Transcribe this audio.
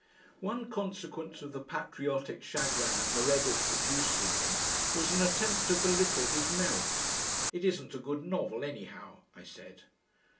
One consequence of the patriotic chagrin Meredith produced in me was an attempt to belittle his merit. "It isn't a good novel, anyhow," I said.